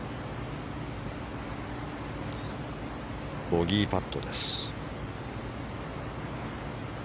ボギーパットです。